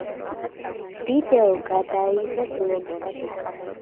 ვიდეო გადაიღეს ლონდონში.